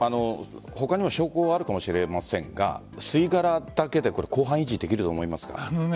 他にも証拠があるかもしれませんが吸い殻だけで公判維持できると思いますか？